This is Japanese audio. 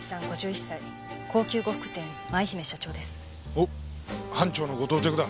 おっ班長のご到着だ。